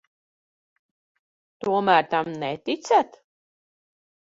Tomēr tam neticat?